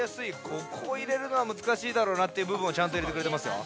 ここいれるのはむずかしいだろうなっていうぶぶんをちゃんといれてくれてますよ。